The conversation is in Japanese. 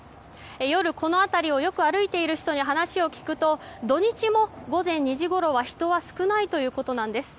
夜、この辺りをよく歩いている人に話を聞くと土日も、午前２時ごろは人は少ないということなんです。